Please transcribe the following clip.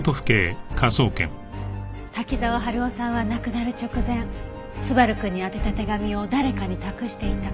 滝沢春夫さんは亡くなる直前昴くんに宛てた手紙を誰かに託していた。